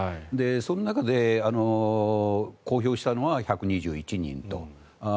その中で公表したのは１２１人と。